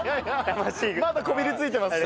まだこびりついてますか？